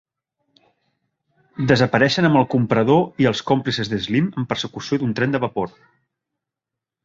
Desapareixen amb el comprador i els còmplices de Slim en persecució d'un tren de vapor.